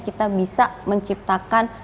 kita bisa menciptakan